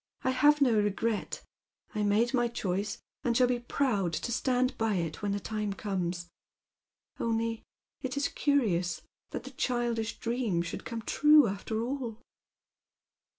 I have no regret. I made my choice, and shall be proud to stand by it when the time comes. Only it is curious that the childish dream should come trae aftei* all."